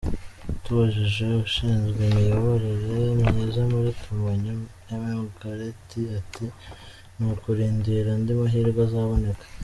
Tubajije ushinzwe imiyoborere myiza muri Kamonyo Mme Goreti ati “ni ukurindira andi mahirwe azaboneka.